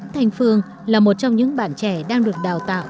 thanh phương là một trong những bạn trẻ đang được đào tạo